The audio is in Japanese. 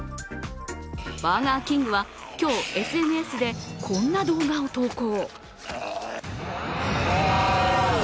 バーガーキングは今日、ＳＮＳでこんな動画を投稿。